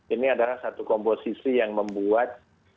ini adalah satu komposisi yang membuat